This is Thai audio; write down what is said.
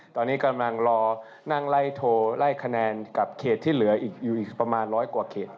ตอนนี้กำลังรอนั่งไล่โทรไล่แคนัญกับเคจะที่เหลือประมาณ๑๐๐กว่าเครต